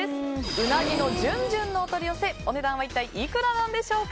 うなぎのじゅんじゅんのお取り寄せお値段は一体いくらでしょうか。